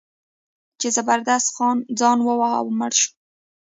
چې زبردست خان ځان وواهه او مړ شو.